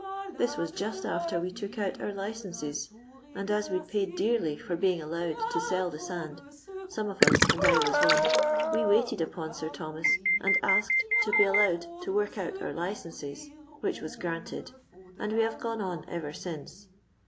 Thii was just after we took oat our licences, al^, aa we'd paid dearly for being allowed to ■ell the sand, some of us, and I was one, we waited upon Sir Thomas, and asked to be allowed to work out our licences, which was granted, and we have r! on ever since.